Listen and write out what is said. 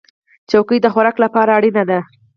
چوکۍ د خوراک لپاره اړینه ده.